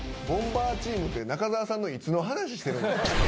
ボンバーチームって中澤さんのいつの話してるんですか